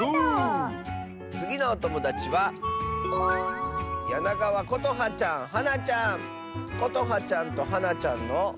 つぎのおともだちはことはちゃんとはなちゃんの。